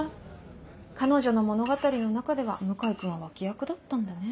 彼女の物語の中では向井君は脇役だったんだね。